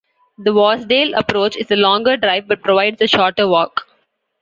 The Wasdale approach is a longer drive but provides a shorter walk.